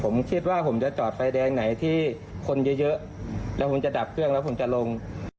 ผมคิดว่าผมจะจอดไฟแดงไหนที่คนเยอะแล้วผมจะดับเครื่องแล้วผมจะลง